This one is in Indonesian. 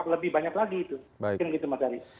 lebih banyak lagi itu mungkin gitu mas dari